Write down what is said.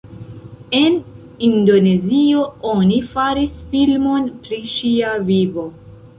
En Indonezio oni faris filmon pri ŝia vivo.